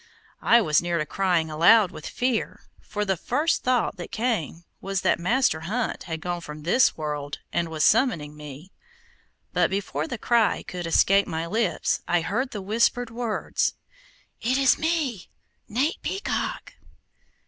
I was near to crying aloud with fear, for the first thought that came was that Master Hunt had gone from this world, and was summoning me; but before the cry could escape my lips, I heard the whispered words: "It is me, Nate Peacock!"